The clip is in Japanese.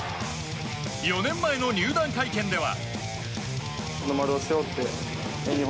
４年前の入団会見では。